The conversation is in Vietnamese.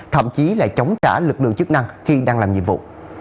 thậm chí là chống trả lực lượng chức năng khi đang làm nhiệm vụ